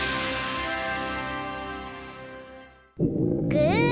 ぐ！